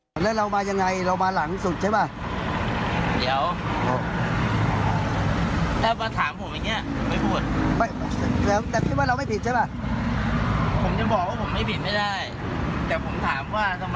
ไปดูกันชนหน้าดิผมชนเขาหรือว่าเขาชนผม